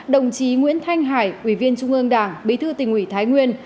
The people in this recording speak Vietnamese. đồng chí nguyễn thanh hải ủy viên trung ương đảng bí thư tỉnh ủy thái nguyên